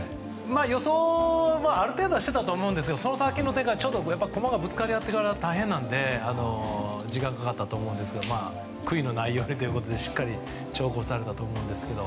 予想もある程度してたと思うんですけどその先の手が、駒がぶつかり合ってからが大変なので時間がかかったと思いますが悔いのないようにということでしっかり長考されたと思うんですけど。